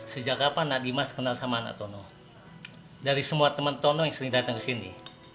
sejak kapan nadimas kenal sama natono dari semua teman tono yang sering datang ke sini